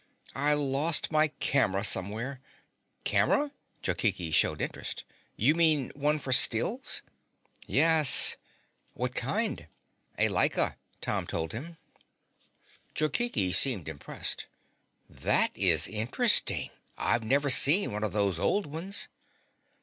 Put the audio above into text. "I lost my camera somewhere." "Camera?" Jokichi showed interest. "You mean one for stills?" "Yes." "What kind?" "A Leica," Tom told him. Jokichi seemed impressed. "That is interesting. I've never seen one of those old ones."